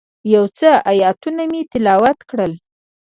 یو څو آیتونه مې تلاوت کړل.